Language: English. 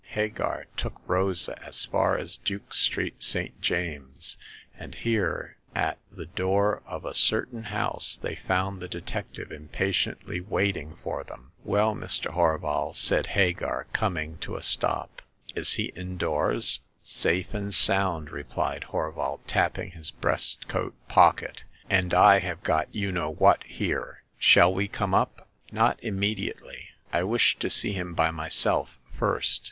Hagar took Rosa as far as Duke Street. St. James's, and here, at the door of a certain house, they found the detective impatiently waiting for them. Well, Mr. Horval/' said Hagar, coming to a stop, " is he indoors ?"" Safe and sound !" replied Horval, tapping his breastcoat pocket—" and I have got you know what here. Shall we come up ?'*" Not immediately. I wish to see him by my self first.